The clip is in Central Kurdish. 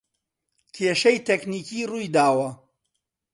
کێشەی تەکنیکی روویداوە